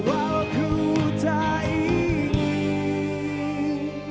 walaupun ku tak ingin